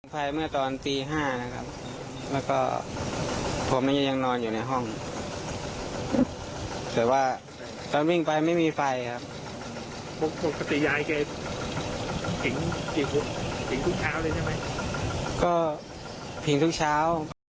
เพียงทุกเช้า